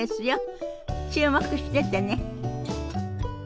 注目しててね。